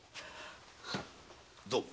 どうも。